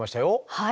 はい。